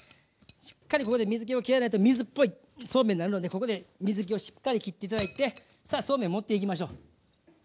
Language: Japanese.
しっかりここで水けをきらないと水っぽいそうめんになるのでここで水けをしっかりきって頂いてさあそうめん盛っていきましょう。